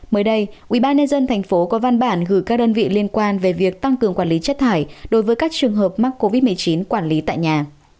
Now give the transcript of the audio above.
mới đây ubnd tp có văn bản gửi các đơn vị liên quan về việc tăng cường quản lý chất thải đối với các trường hợp mắc covid một mươi chín quản lý tại nhà